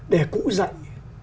để cụ dạy